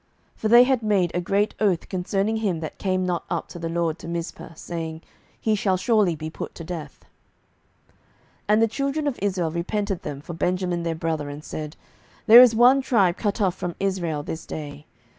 For they had made a great oath concerning him that came not up to the LORD to Mizpeh, saying, He shall surely be put to death. 07:021:006 And the children of Israel repented them for Benjamin their brother, and said, There is one tribe cut off from Israel this day.